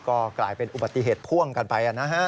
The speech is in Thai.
ก็กลายเป็นอุบัติเหตุพ่วงกันไปนะฮะ